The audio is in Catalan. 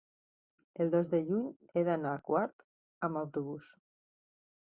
el dos de juny he d'anar a Quart amb autobús.